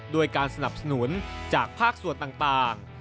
ด้วยการสนับสนุนจากภาคส่วนต่าง